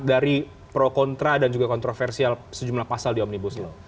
dari pro kontra dan juga kontroversial sejumlah pasal di omnibus law